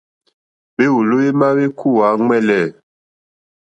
Hwěwòló hwémá hwékúwǃá ŋwɛ́ǃɛ́lɛ́.